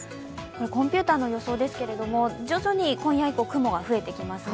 コンピューターの予想ですけれども、徐々に今夜以降雲が増えてきますね。